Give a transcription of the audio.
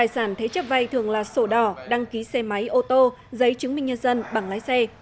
sản thế chấp vay thường là sổ đỏ đăng ký xe máy ô tô giấy chứng minh nhân dân bằng lái xe